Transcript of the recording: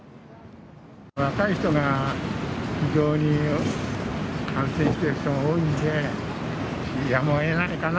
若い人が非常に感染している人が多いので、やむをえないかな。